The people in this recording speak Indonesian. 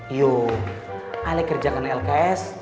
ayo ale kerjakan lks